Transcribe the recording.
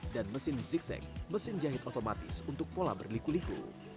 dan mesin zigzag mesin jahit otomatis untuk pola berliku liku